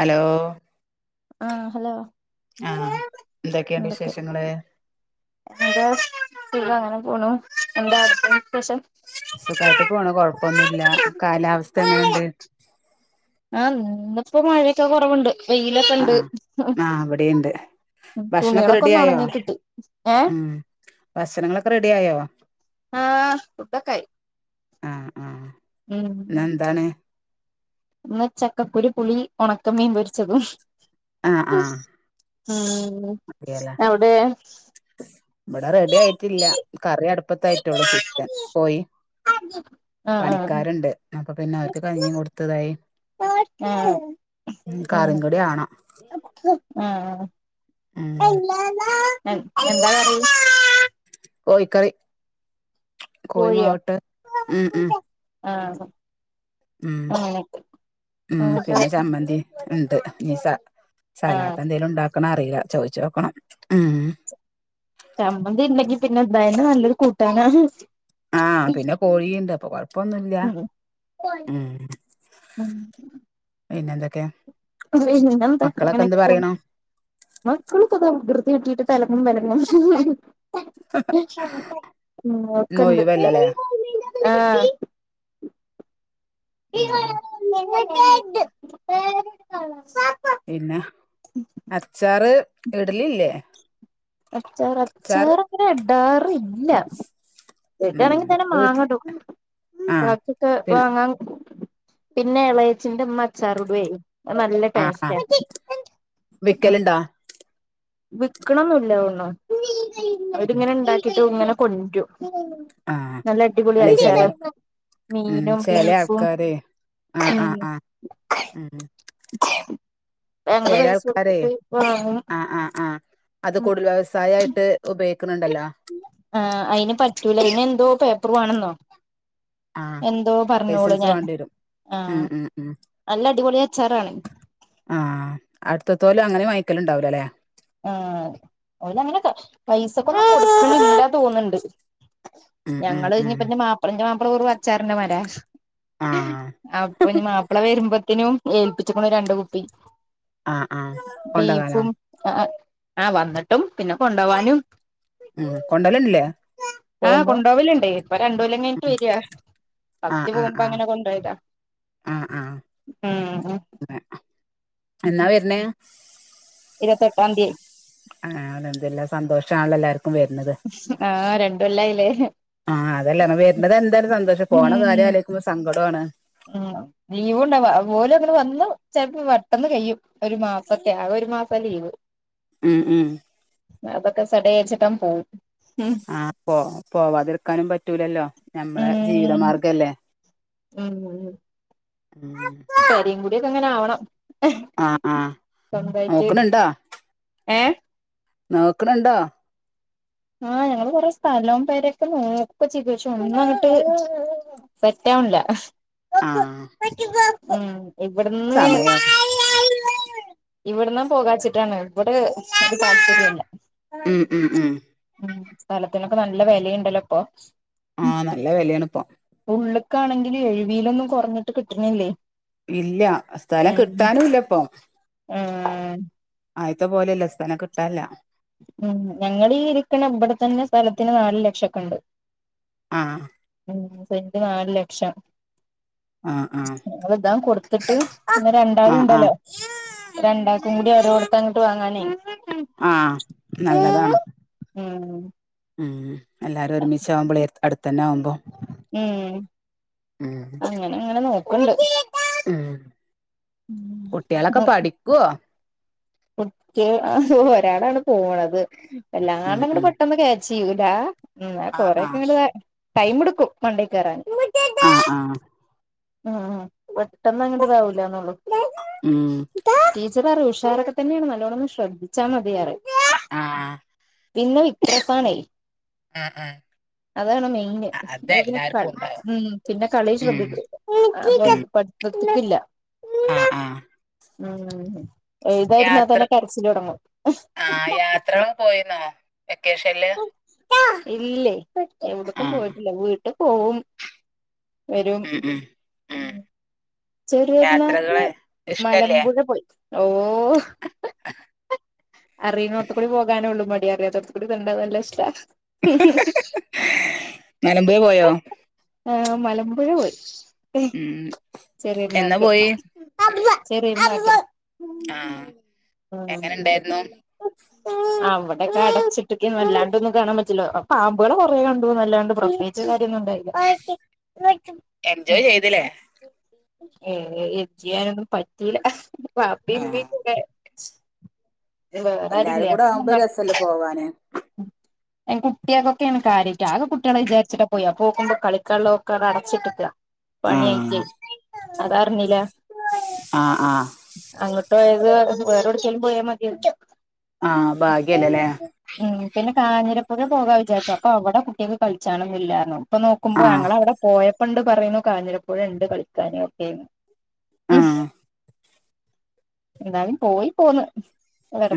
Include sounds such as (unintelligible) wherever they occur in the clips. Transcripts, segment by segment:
Hello ആ hello ആ ന്തൊക്കെണ്ട് എന്തൊക്കെ വിശേഷങ്ങള് സുഖം അങ്ങനെ പോണു എന്താ അവ്ട്ത്തെ വിശേഷം സുഖായിട്ട് പോണു കൊഴപ്പൊന്നുല്ല കാലാവസ്ഥ എങ്ങനെണ്ട് ആ ന്ന്പ്പോ മഴൊക്കെ കൊറവ്ണ്ട് വെയിലൊക്കെ ണ്ട് ആഹ് ആഹ് ഇവിടെയുണ്ട് ഭക്ഷണൊക്കെ തുണികളൊക്കൊ റെഡി ന്ന് ആയോ ഒണങ്ങി കിട്ടി ഏ ഉം ഭക്ഷണങ്ങളൊക്കെ റെഡിയായോ ആഹ് ഫുഡൊക്കായി ആ ആ ന്ന് ന്താണ് ന്ന് ചക്കപ്പുരി പുളി ഒണക്ക മീൻ പൊരിച്ചതും ആ ആഹ് ഉം അവ്ടെ ബടെ റെഡ്യായിട്ടില്ല കറി അടുപ്പത്തായിറ്റൊള്ളൂ ചിക്കൻ കോയി ആഹ് പണിക്കാര്ണ്ട് അപ്പൊ പിന്നോർക്ക് കഞ്ഞിമ് കൊട്ത്ത്തായി ആഹ് ഉം കൂടി ആണം ആ ഉം എ എന്താ കറി കോഴിക്കറി കോഴിയോ കോഴിമൊളക്ട്ട് ഉം ഉം ആഹ് ഉം അങ്ങനെ ഉം എന്നിട്ട് പിന്നെ ചമ്മന്തി ണ്ട് ഞ് സ ആഹ് സലാടെന്തേലും ണ്ടാക്കണറീല ചോയ്ച്ചോക്കണം ഉം ചമ്മന്തി ണ്ടെങ്കി പിന്നെ ന്തായാലും നല്ലൊരു കൂട്ടാനാണ് ആഹ് പിന്നെ കോഴി ണ്ട് അപ്പൊ കൊഴപ്പൊന്നുല്ല ഉം ഉം ഉം പിന്നെന്തൊക്കെ (unintelligible) പിന്നെന്താ ങ്ങനൊക്കെ പോണ് മക്കളൊക്കെ താ (unintelligible) കിട്ടീട്ട് തലങ്ങും വെലങ്ങും ഉം ഇന്ന് ഒക്കണ്ട് ഒഴിവല്ലല്ലേ ആഹ് ഉം (unintelligible) പിന്നെ അച്ചാറ് ഇടലില്ലേ? അച്ചാർ അച്ചാർ അച്ചാറ് അങ്ങനെ ഇടാറില്ല. ഉം കിട്ടണെങ്കി തന്നെ വീട്ടിൽ മാങ്ങടും ആഹ് ബാക്കിയൊക്കെ പിന്നെ വാങ്ങാൻ പിന്നെ എളയച്ചിന്റെമ്മ അചാറിട്എയ് നല്ല ആഹ് ടേസ്റ്റ് ആഹ് ആ ഉം വിക്കലുണ്ടോ വിക്കണന്നുല്ല തോന്നുണു ഉം അവരിങ്ങനെ ണ്ടാക്കിട്ട് ഇങ്ങനെ കൊന്ട്രു. ആഹ് നല്ല അടിപൊളി അല്ലെ അച്ഛാറ ചെലർ ഉം മീനും ചെല ബീഫും ആൾക്കാരെ ആഹ് ഉം ആഹ് ആഹ് ഉം ഭയങ്കര ചെല പൈസ ആൾക്കാരെ കൊടുത്തിട്ട് ഇപ്പ ആഹ് ആഹ് ആഹ് അത് കൂടുതൽ വ്യവസായ ആയ്ട്ട് ഉപയോഗിക്കുന്നുണ്ടല്ലോ? ആ അയിന് പറ്റൂല ഞ്ഞി എന്തോ പേപ്പർ വേണെന്നോ. ആഹ് എന്തോ പറഞ്ഞോളു ലൈസൻസ് ഞാൻ വേണ്ടി വരും ആഹ് നല്ല അടിപൊളിയ ആഹ അടുത്തത്തോലു അങ്ങനെ വങ്ങിക്കല ഉണ്ടാവൂലല്ലേ? ഓലങ്ങനെ പൈസക്കൊ ഒന്നും കൊട്‌ക്ക്നില്ല തോന്നുണ്ട്. ഉം ഉം ഞങ്ങള്ൾ ഉം ഞ്ഞിപ്പന്റെ മാപ്പിളന്നെ ന്റെ മാപ്പളാ അച്ചാറിന്റെ മര ആഹ് അപ്പൊ ഇനി മാപ്പിള വരുമ്പോത്തേനും ഏൽപ്പിചുക്ക്ണ് രണ്ട് കുപ്പി. ആഹ് ആഹ് കൊണ്ടകാനോ ബീഫും ആ ആഹ് വന്നിട്ടും പിന്നെ കൊണ്ടോവാനും ഉം കൊണ്ടോലുണ്ടില്ലേ ആഹ് പോകുമ്പോ കൊണ്ടോവലുണ്ടേ ഇപ്പൊ രണ്ടകൊല്ലകൈഞ്ട്ട് ഉം വര ആഹ് ഫസ്റ്റ് ആഹ് പോകുമ്പോ ആഹ് അങ്ങനെ കൊണ്ടയിതാ ആഹ് ആഹ് ഉം അതെ. എന്നാ വര്ണേ? ഇരുവതെട്ടാംതി ആ അല്ലന്തുല്ല സന്തോഷാണല്ല ല്ലാവർക്കും. ആഹ് രണ്ടൊല്ലായിലേ ആഹ് അതല്ല വരുന്നത് എന്താലും സന്തോഷം ഉം പോണകാര്യം അലോയ്ക്കുമ്പോ സങ്കടോം ഉം ലീവ് ണ്ടാവ ഓലും അങ്ങനെ വന്ന് ചിലപ്പോ പെട്ടെന്ന് കയ്യും ഒരു മാസൊക്കെ. ഒരു മാസ ലീവ് ഉം ഉം അതൊക്കെ സഡേച്ചിട്ടങ് പോവും ഉം ആഹ് പോ പോവാതിർക്കാനും പറ്റൂലല്ലോ നഞമ്മളെ ഉം ജീവിതമാർഗല്ലേ? ഉം ഉം പേരേം കുടീയൊക്കെ ങ്ങനെ ആവണം ആ ആ സ്വന്തായിട്ട് നോക്കണ് ണ്ട ഏഹ് നോക്കണ് ണ്ടോ? ആ ഞങ്ങള് കൊറെ സ്ഥലൊം പെരെക്കെ നോക്കച്ചേക്ക ക്ഷെഒന്നുവങ്ട്ട്. സെറ്റാവണില്ല ആ ഉം ഇവിട്‌ന്ന് ഇവിടന്ന് പോകാച്ചിട്ടാണ് ഇവിടെ താല്പര്യല്ല ഉം ഉം ഉം ഉം സ്ഥലത്തിനൊക്കെ നല്ല വെലേണ്ടല്ലോ ഇപ്പൊ. ആഹ് നല്ല വെലയാണ് ഇപ്പം ഉള്ളുക്കാണെങ്കിൽ എഴുവിലൊന്നും കൊറഞ്ഞിട്ട് കിട്ടണില്ലേ ഇല്ല സ്ഥലം ഉം കിട്ടാനുംല്ലപ്പൊ ആഹ് ആയിത്തെ പോലെല്ല സ്ഥലം കിട്ടാല്ല ഉം ഞങ്ങളീ ഇരിക്കണ ഇവിടെ തന്നെ സ്ഥലത്തിന് നാല് ലക്ഷക്കണ്ട് ആ സെന്റ് നാല് ലക്ഷം ആഹ് ആഹ് ഞങൾതങ് കൊടുത്തിട്ട്. ഇന്ന് ആഹ് ആഹ് രണ്ടാളുണ്ടല്ലോ രണ്ടാൾക്കും കൂടി ഓരോടത്ത് അങ്ങട്ട് വാങ്ങാനേ ആ നല്ലതാണ് ഉം ഉ എല്ലാരും ഒരുമിച്ചാവുമ്പളേ അടുത്തന്നെ ആവുമ്പോ ഉം ഉം അങ്ങനെ ഇങ്ങനെ നോക്കണ്ട് ഉം കുട്ടികളൊക്കെ പഠിക്കുവ ഒരാളാണ് പോണത് ഉം എല്ലാങാണ്ടങ്ങ് ഉം പെട്ടെന്ന് (unintelligible) ചെയ്യൂലാ ആഹ് കൊറേക്കെ ആഹ് ങ്ങള് ടൈം എടുക്കും മണ്ടേ കേറാൻ ആ ആ ഉം പെട്ടെന്നങ്ങെതാവൂലന്നള്ളൂ ഉം പച്ച പറ ഉഷാറക്കെ തന്നെയാണ് നല്ലോണംന്ന് ശ്രദ്ധിച്ചാൽ മതിയാറം ആ പിന്നെ വിത്യാസാണെ ആ ആ അതാണ് മെയിന് പിന്നെ ഉണ്ടാവും ഉ പിന്നെ കളി ഉം ശ്രദ്ധിക്കു പഠിത്തത്ത്ക്കില്ല ആ ആ ഉം ഉ യാത്ര ആ യാത്രകള് പോയിന്നോ വെക്കേഷക്ക് ല്ല (unintelligible) ഇല്ലേ എട്ക്കും പോയിട്ടില്ല വീട്ട് പോവും വെരും ഉം ഉം ഉം ചെറിയൊരുന്നാക്ക് യാത്രകള് ഇഷ്ടല്ലേ മലമ്പുഴ പോയി ഓ അറിന്നോത്ത്ക്കൂടി പോകാനൊ (unintelligible) (unintelligible) നിലമ്പൂര് പോയോ (unintelligible) മലമ്പുഴ പോയി ഉം എന്നാ ചെറിയെര്ന്നാക്ക് പോയി ഉം ചെറിയെര്ന്നാക്ക് ആഹ് എങ്ങനെ ഇണ്ടായിരുന്നു ആ ടെക്ക അടച്ചിട്ട്ക്കി നല്ലാണ്ടൊന്നും കാണാൻ പറ്റില്ലോ പാമ്പുകള് കൊറേണ്ട്ന്നല്ലാണ്ട് പ്രത്യേകിച് (unintelligible) എൻജോയ് (unintelligible) ചെയ്തില്ലേ ഏ എന്ത് ചെയ്യാനൊന്നും പറ്റൂല്ല ആഹ് ബാപ്പിമ്മീംക്കെ ല്ലേ വേറെ എല്ലാരും ആരുല്ലേ കൂടെ ആവുമ്പോ രസല്ലേ (unintelligible) പോവാന് എ കുട്ടികൾക്കൊക്കെയാണ് കാര്യായിട്ട് ആകെ കുട്ടികളെ വിചാരിച്ചിട്ട പോയി പോകക്കുമോ കളി കാള്ളൊക്കെ അടച്ചിട്ടിക്കാ ആഹ അതറിഞ്ഞില്ല ആ ആ അങ്ങോട്ട്യത് വേറെ എടക്കങ്കലും പോയാ മതി ആഹ് ഉ ഭാഗ്യല്ലല്ലേ പിന്നെ കാഞ്ഞിരപ്പുഴ പോകാ വിചാരിച്ചു അപ്പൊ അവിടെ കുട്ടികൾക്ക് കളിച്ചണ ഇില്ലായിരുന്നു ഇപ്പൊ നോക്കുമ്പോ ആഹ് ഞങ്ങളവിടെ പോയ പ്പണ്ട് പറയുന്നു കാഞ്ഞിരപ്പോഴ ഉണ്ട് കളിക്കാനും ഒക്കെന്ന് ഉ ആഹ് എന്താലും പോയി പോന്ന്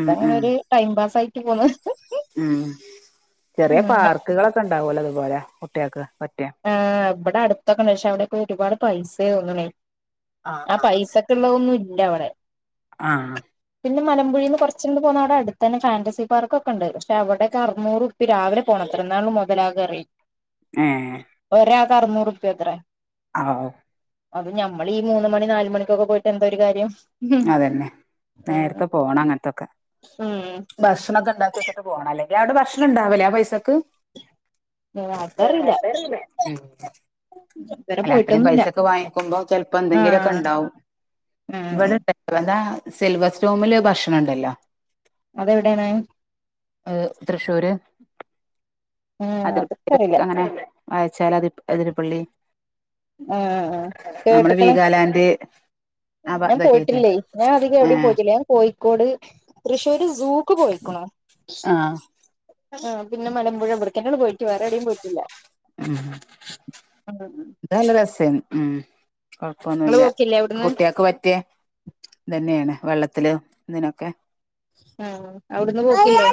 ഉം അങ്ങനെൊ ഉം ഒരു ടൈം പാസ് ആയി ഹ്ഹ ഉം ചെറിയ പാർക്കുകളൊക്കെ ഉണ്ടാവല്ലോ അതുപോലെ കുട്ടികൾക്ക്റ്റ ആ ഇവിടെ അടുത്തൊക്കെ പക്ഷേ അവിടെക്ക ഒരുപാട് പൈസ തോന്നണേ ആഹ് ആ പൈസക്കെ ഉള്ളതൊന്നും ഇല്ല അവിടെ ആഹ മലമ്പുയേന്ന് കുറച്ച് പോന്നാൽ അവിടെ അടുത്തനെ ഫാന്റസി പാർക്കൊക്കെ ഉണ്ട് പക്ഷേ അവിടെയക്കെ അറുന്നൂരൂപപ്യ രാവില പോണത് (unintelligible) നാൾ മുതലാകെ അറി എ അറനൂറൂപ്യ അത്രേ ആഹ് അത് ഞമ്മൾ ഈ മൂന്ന് മണി നാലുമണിക്കൊക്കെ പോയിട്ട് എന്തോ ഒരു കാര്യം. ഉം അതന്നെ നേരത്തെ പോണം അങ്ങനത്തൊക്കെ. ഉം ഭക്ഷണമ ഒക്കെ ഉണ്ടാക്കി വെച്ചിട്ട് പോകണം അല്ലെങ്കിൽ അവിടെ ഭക്ഷണം ഉണ്ടാവില്ലേ ആ പൈസക്ക് അതറിയില്ല (unintelligible) ഇതുവരെ അല്ല അത്രയും പോയിട്ടൊന്നുല്ല പൈസൊക്കെ വാങ്ങിക്കുമ്പോ ചിലപ്പോ എന്തെങ്കിലുമൊക്കെ ആഹ് ഉണ്ടാവും. ആഹ് ഇവിടെണ്ട എന്താ സിൽവർ സ്റ്റോമില് ഭക്ഷണണ്ടല്ലോ. അതെവിടെയാണ്? ഏ തൃശ്ശൂര്. മ് അതക്കറില്ല. അതിർപ്പ അങ്ങനെ വായച്ചാൽ അതിര് പള്ളി ആഹ് നമ്മളെ കേട്ട്ക്ക്ണ് വീഗാലാൻഡ്. (unintelligible) ഞാൻ ആയിട്ടേ പോയിട്ടില്ലേ ഞാൻ അധികം എവിടയും ആഹ് പോയിട്ടില്ല ഞാൻ കോഴിക്കോട് തൃശ്ശൂര് സൂക്ക് പോയിക്ണൂ. ആഹ് ആ പിന്നെ മലമ്പുഴവിടുക്കു നോടെന്നൊള്ളു പോയിട്ട് വേറെവിടെയും പോയിട്ടില്ല. ഉം മ് ഇങ്ങള് കൊഴപ്പൊന്നുമല്ല പോക്കില്ലേ അവിട്ന്ന് കുട്ടിയക്ക് പറ്റിയ തന്നെയാണ്. വെള്ളത്തില് ഇതിനൊക്കെ. ഉം അവിടന്ന് പോയിട്ടിലെ?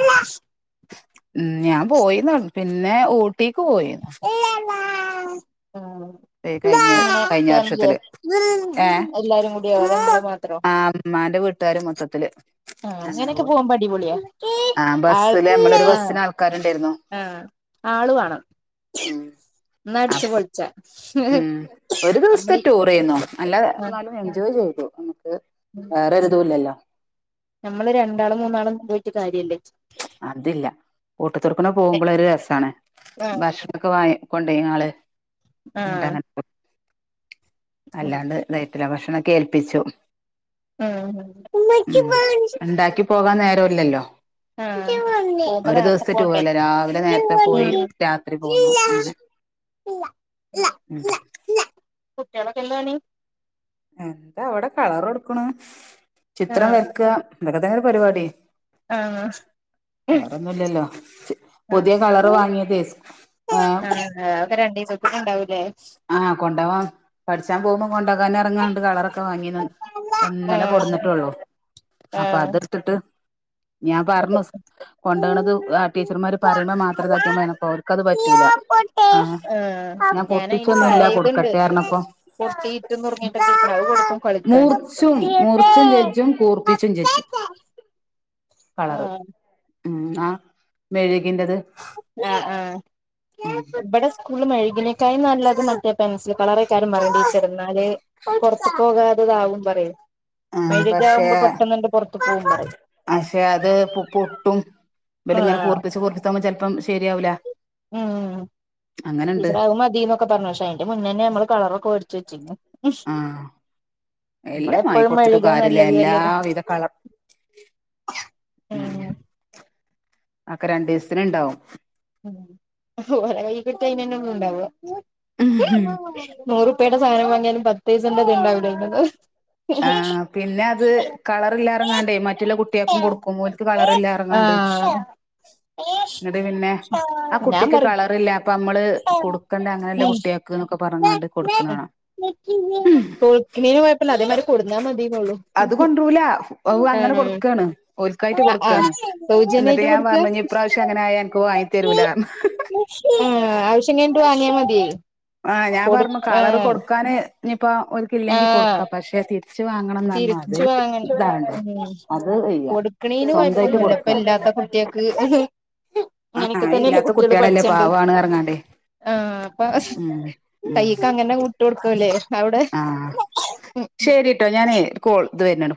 മ് ഞാൻ പോയിന്നോ പിന്നെ ഊട്ടിക്ക് പോയിന്നു. ആഹ് കഴിഞ്ഞ എങ്ങനെ കഴിഞ്ഞ ഫാമിലി യൊ? വർഷത്തില് ഏഹ് എല്ലാരും കൂടിയോ? മാത്രോ ആ ഇമ്മാന്റെ വീട്ടുകാര്ർ മൊത്തത്തില്. ആ അങ്ങനെ പോയി അങ്ങനൊക്കെ പോകുമ്പോ അടിപൊളിയാ. ആ ബസ്സില് നമ്മളൊരു ബസ്സിന് ആൾക്കാരുണ്ടായിരുന്നു ആഹ് ആള് വേണം എന്ന അടിച്ചു പൊളിച്ച. മ് ഒരു ദിവസത്തെ ടുരേന്നു നല്ല ആഹ് എന്നാലും എൻജോയ് ചെയ്തു. വേറൊരിതും ഇല്ലല്ലോ നമ്മള് രണ്ടാളും മൂന്നാളും പോയിട്ട് കാര്യല്ലേ. അതില്ല കൂട്ടത്തർക്കണ പോകുമ്പോള ഒരു രസമാണ് ഭക്ഷണൊക്കെ വാ. കൊണ്ടായിനാൾ ആഹ് ങ്ങട്ട്. ഉം അല്ലാണ്ട് ഇായിത്തില്ല ഭക്ഷണം കേ ൽപ്പിച്ചു. ഉം മ് ണ്ടാക്കി പോകാൻ നേരല്ലല്ലോ. ആഹ് പോവുമ്പോ ഒരു നേരത്തെ ദിവസത്തെ പോണ്ടേ ടൂർല്ലേ രാവിലെ നേരത്തെ പോയി രാത്രി പോന്നു അങ്ങനെ. മ് കുട്ടികളൊക്കെ എന്താണി എന്താ അവിടെ കളർ കൊടുക്കുണ് ചിത്രം ആഹ് വരക്കാ ഇതൊക്കെ തന്നെ അല്ലെ പരിപാടി ആഹ് വേറൊന്നുംല്ലല്ലോ ആഹ് പുതിയ കളർ വാങ്ങിയത് ഏഹ് മഴ ഉണ്ടാവൂലേ ആഹ് കൊണ്ടാവാം പഠിച്ചാൻ പോകുമ്പോ പോണ്ടകാന ഇറങ്ങാണ്ട് കളറൊക്കെ വാങ്ങിന്ന് ഇന്നലെ കൊടുന്നിട്ടള്ളു അപ്പൊ ആഹ് അതെടുത്തിട്ട് ഞാൻ പറഞ്ഞു കൊണ്ടണത് ആ ടീച്ചർമാര് പറയുമ്പോ മാത്രം ആഹ് ഇതാക്കിയമതി അവർക്കത് യ്യോ പറ്റൂല പൊട്ടി ആഹ് ആഹ് ഞാനയിന് ന്നും ല്ല പഴയതുണ്ട് കൊടുക്കട്ടെർഞപ്പൊ പൊട്ടിയിട്ട് നുറുങ്ങിട്ടൊക്കെ ഇരിക്കണ അത് കൊടുക്കും കളിക്കാന് മൂർച്ചും മൂർച്ചും ചെജും കൂർപ്പിച്ചും ചെജ്ജും (inaudible) ആഹ് മ് ആഹ് മെഴുകിന്റത് ഉം ബടെ സ്കൂള് മയേ ഇതിനെക്കായി നല്ലത് മറ്റേ പെൻസിൽ കളറായിക്കാരം പറയും ടീച്ച എന്നാല് പുറത്തു പോകാത ഇതാവും പറയും ആഹ് പക്ഷെ മെഴുകാവുമ്പോ പെട്ടെന്നണ്ട് പൊറത്ത് പോവും പറയും പക്ഷെ അത് പൊട്ടും ഇവര് ഇങ്ങനെ ആഹ് കൂർപ്പിച്ച് കൂർപ്പിച്ചാവുമ്പോ ചിലപ്പം ശരിയാവൂല ഉം അങ്ങനെണ്ട് ടീച്ചർ അത് മതിന്നൊക്കെ പറഞ്ഞു പക്ഷെ അയിന്റെ മുന്നന്നെ നമ്മൾ കളറൊക്കെ വേടിച്ചു വെച്ചിരുന്നു ആഹ് എല്ലാം വാങ്ങി നമ്മളെപ്പോഴും കൊടുത്തിട്ടും മെഴുകാ കാര്യല്ല നല്ലത് അല്ലേ എല്ലാവിധ കളർ ഉം ഒക്കെ രണ്ടു ദിവസത്തിന് ഇണ്ടാവും ഉം ഓരാ കൈകിട്ടിയാ അയിനെന്നൊള്ളു ഇണ്ടാവ നൂറു പ്പടെ സാധനം വാങ്ങിയാലും പത്തൈസന്റെ ഇത് ഇണ്ടാവില്ല (unintelligible) ആഹ് പിന്നെ അത് കളർ ഇല്ലാ എറങ്ങാണ്ടേ മറ്റുള്ള കുട്ട്യാൾക്കും കൊടുക്കും ഒൻക് കളർ ഇല്ലാ ഇറങ്ങാണ്ട് ആഹ് ങ്ങട്ട് പിന്നെ ആ ഞാൻ കുട്ടിക്ക് പറയും കളറില്ല അപ്പോ നമ്മള് കൊടുക്കേണ്ട അങ്ങനെയല്ല കുട്ടിളോക്ക് എന്നൊക്കെ പറഞ്ഞകാണ്ട് കൊടുക്ക്ണെ കാണാ (unintelligible) കുഴപ്പല്ല അത് ഇങ്ങാട് കൊടുന്നാ മതിന്നുള്ളൂ അത് കൊണ്ടരൂല അങ്ങനെ ആഹ് കൊടുക്കാണ് ഓൽക്കായിട്ട് ആഹ് ആഹ് കൊടുക്കാണ് സൗജന്യ എന്നിട്ട് ആയിട്ടാ ഞാൻ കൊടുക്ക പറഞ്ഞു ഇനി ഇപ്രാവശ്യം അങ്ങനെ ആയാ അനക്ക് വാങ്ങി തരൂലാന്ന് ആഹ് പിന്നെ ഇങ്ങാട് വാങ്ങിയ മതിയേ ആഹ് ഞാൻ കൊടു പറഞ്ഞു കളറ് ആഹ് കൊടുക്കാന് ഇനിപ്പ ഓൻക്ക് ഇല്ലക്കില്ലെങ്കി ആഹ് കൊടുക്കാ പക്ഷെ തിരി ച്ച് വാങ്ങണംന്ന് പറഞ്ഞു അത് തിരിച്ചു വാങ്ങ ഇതാണ് ഉം അത് വയ്യ കൊടുക്കണേന് സ്വന്തായിട്ട് കൊഴപ്പൊന്നുല്ല കൊടുക്ക ഇപ്പ കുട്ടിൾക്ക് (unintelligible) ആഹ് അങ്ങനൊക്കെ തന്നെയല്ലേ അതില്ലാത്ത കുട്ട്യോള് കുട്ടികളല്ലേ പഠിച്ചണ്ട് പാവാണ് പറഞ്ഞാണ്ടേ ആഹ് ഉം ഉം കൈയിക്ക് അങ്ങനെ വിട്ടു കൊടുക്കാവുല്ലേ അവിടെ ആഹ് ശരിട്ടോ ഞാനേ കോൾ ഇത് വരുന്നുണ്ട്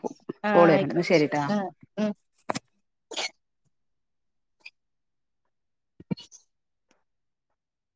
കോൾ ആഹ് വരുന്നുണ്ട് എന്ന ആയിക്കോട്ടെ ശരിട്ടാ ആഹ് ഉം (inaudible)